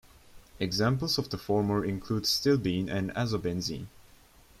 Examples of the former include stilbene and azobenzene.